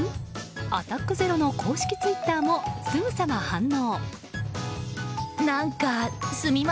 アタックＺＥＲＯの公式ツイッターもすぐさま反応。